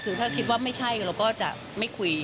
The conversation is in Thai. คือถ้าคิดว่าไม่ใช่เราก็จะไม่คุย